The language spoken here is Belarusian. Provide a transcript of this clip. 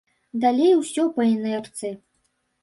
Далей усё па інерцыі.